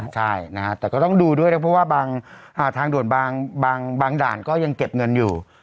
ใช่นะฮะแต่ก็ต้องดูด้วยนะเพราะว่าบางทางด่วนบางด่านก็ยังเก็บเงินอยู่